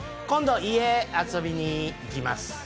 今度家遊びに行きます。